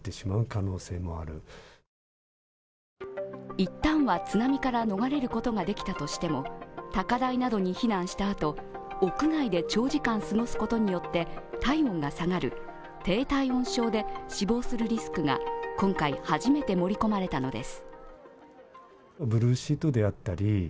一旦は津波から逃れることができたとしても高台などに避難したあと、屋外で長時間過ごすことによって体温が下がる低体温症で死亡するリスクが今回、初めて盛り込まれたのです。